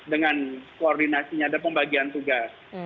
dengan koordinasinya dan pembagian tugas